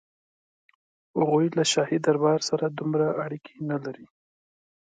هغوی له شاهي دربار سره دومره اړیکې نه لرلې.